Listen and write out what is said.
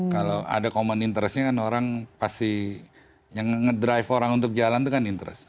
kalau ada common interestnya kan orang pasti yang ngedrive orang untuk jalan itu kan interest